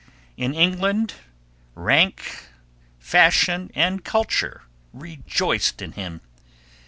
In England rank, fashion, and culture rejoiced in him.